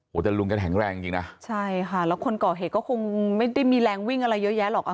โอ้โหแต่ลุงแกแข็งแรงจริงจริงนะใช่ค่ะแล้วคนก่อเหตุก็คงไม่ได้มีแรงวิ่งอะไรเยอะแยะหรอก